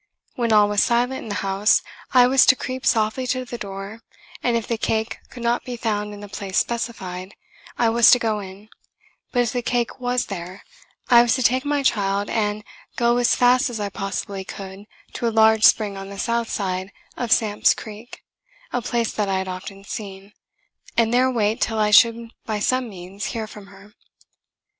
When all was silent in the house, I was to creep softly to the door, and if the cake could not be found in the place specified, I was to go in: but if the cake was there, I was to take my child and; go as fast as I possibly could to a large spring on the south side of Samp's Creek, (a place that I had often seen,) and there wait till I should by some means hear from her.